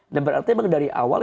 nah berarti emang dari awal